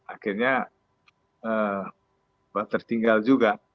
akhirnya tertinggal juga